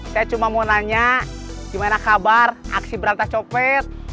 saya cuma mau nanya gimana kabar aksi berantah copet